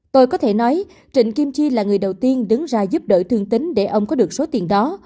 tôi có thể nói trịnh kim chi là người đầu tiên đứng ra giúp đỡ thương tính để ông có được số tiền đó